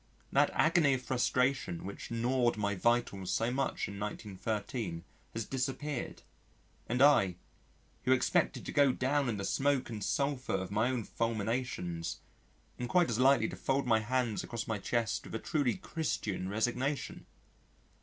That agony of frustration which gnawed my vitals so much in 1913 has disappeared, and I, who expected to go down in the smoke and sulphur of my own fulminations, am quite as likely to fold my hands across my chest with a truly Christian resignation.